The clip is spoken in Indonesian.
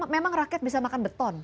memang rakyat bisa makan beton